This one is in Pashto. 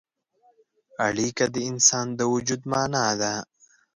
اړیکه د انسان د وجود معنا ده.